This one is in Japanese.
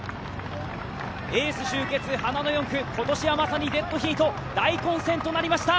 エース集結、花の４区、今年はまさにデッドヒート、大混戦となりました。